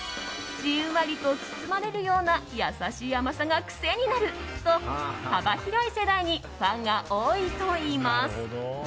じんわりとつつまれるような優しい甘さが癖になると幅広い世代にファンが多いといいます。